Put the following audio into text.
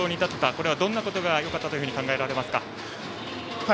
これは、どんなことがよかったと考えられますか？